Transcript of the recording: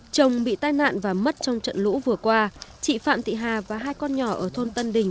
chồng bị tai nạn và mất trong trận lũ vừa qua chị phạm thị hà và hai con nhỏ ở thôn tân đình